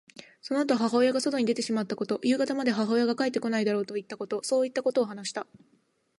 そのあと母親が外に出てしまったこと、夕方まで母親が帰ってこないだろうといったこと、そういったことを話した。